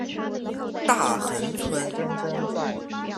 大衡村。